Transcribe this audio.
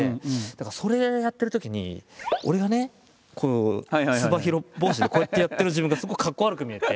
だからそれやってるときに俺がねこうつば広帽子でこうやってやってる自分がすごくかっこ悪く見えて。